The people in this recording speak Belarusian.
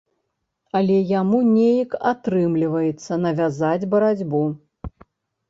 Але яму неяк атрымліваецца навязаць барацьбу.